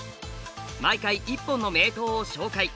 毎回１本の名刀を紹介。